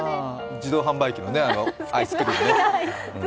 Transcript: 自動販売機のアイスクリームね。